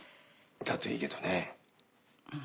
だといいけどね。